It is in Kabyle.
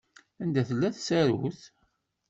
Anda tella tsarut?